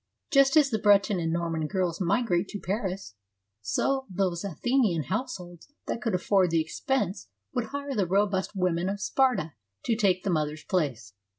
Just as the Breton and Norman girls migrate to Paris, so those Athenian households that could afford the expense would hire 60 FEMINISM IN GREEK LITERATURE the robust women of Sparta to take the mother's place.